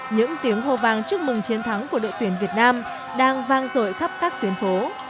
những tiếng hồ vang chúc mừng chiến thắng của đội tuyển việt nam đang vang rội khắp các tuyến phố